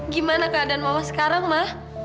gimana keadaan mama sekarang mah